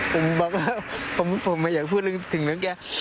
ผมบอกแล้วผมอยากพูดถึงเรื่องแก